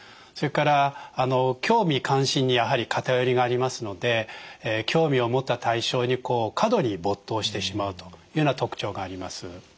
それから興味関心にやはり偏りがありますので興味を持った対象に過度に没頭してしまうというような特徴があります。